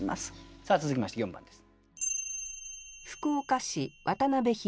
さあ続きまして４番です。